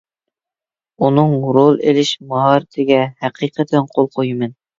ئۇنىڭ رول ئېلىش ماھارىتىگە ھەقىقەتەن قول قويىمەن.